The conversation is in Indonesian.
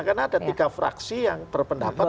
karena ada tiga fraksi yang berpendapat bahwa